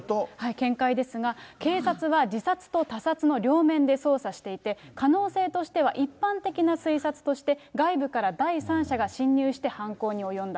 見解ですが、警察は自殺と他殺の両面で捜査していて、可能性としては、一般的な推察として、外部から第三者が侵入して犯行に及んだ。